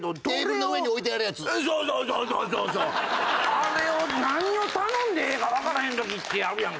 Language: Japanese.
あれを何を頼んでええかわからへん時ってあるやんか。